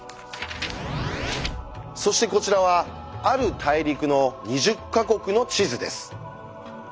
そしてこちらはある大陸の２０か国の地図です。